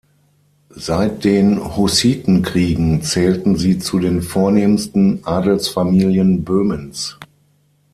Seit den Hussitenkriegen zählten sie zu den vornehmsten Adelsfamilien Böhmens.